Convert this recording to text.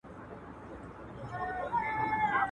زما یې د کوچۍ حیا له زوره ژبه ګونګه کړه.